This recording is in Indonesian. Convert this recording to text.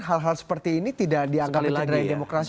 hal hal seperti ini tidak dianggap mencederai demokrasi